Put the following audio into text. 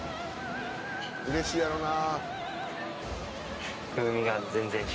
うれしいやろな。